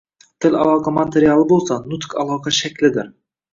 Til aloqa materiali bo`lsa, nutq aloqa shaklidir